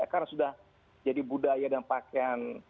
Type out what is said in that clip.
karena sudah jadi budaya dan pakaian